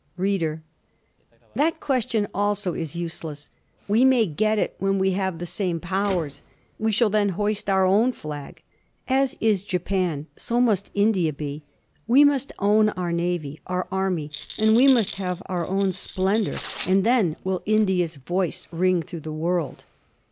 READER: That question also is useless. We may get it when we have the same powers; we shall then hoist our own flag. As is Japan, so must India be. We must own our navy, our army, and we must have our own splendour, and then will India's voice ring through the world.